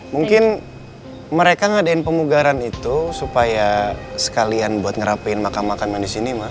mungkin mereka ngadain pemugaran itu supaya sekalian buat ngerapiin makam makam yang disini ma